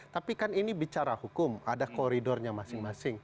tapi kan ini bicara hukum ada koridornya masing masing